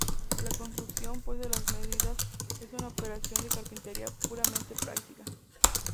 La construcción pues de las medidas es una operación de carpintería puramente práctica.